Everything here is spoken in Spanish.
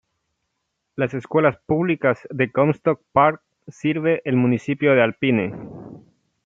Las Escuelas Públicas de Comstock Park sirve el municipio de Alpine.